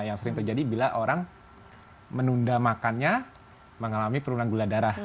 yang sering terjadi bila orang menunda makannya mengalami penurunan gula darah